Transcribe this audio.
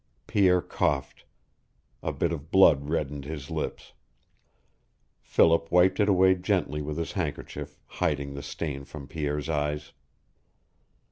Pierre coughed. A bit of blood reddened his lips. Philip wiped it away gently with his handkerchief, hiding the stain from Pierre's eyes.